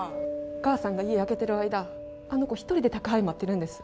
お母さんが家空けてる間あの子一人で宅配待ってるんです。